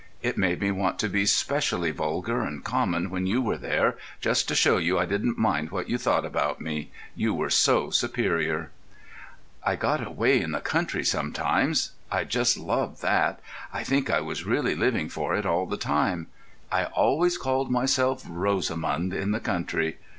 It made me want to be specially vulgar and common when you were there, just to show you I didn't mind what you thought about me.... You were so superior. "I got away in the country sometimes. I just loved that. I think I was really living for it all the time.... I always called myself Rosamund in the country....